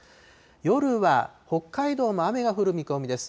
夜は北海道も雨が降る見込みです。